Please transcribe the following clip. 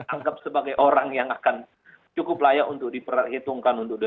anggap sebagai orang yang akan cukup layak untuk diperhitungkan untuk dua ribu dua puluh